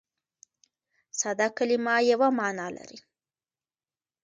ساده کلیمه یوه مانا لري.